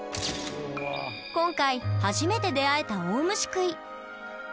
今回初めて出会えたオオムシクイ。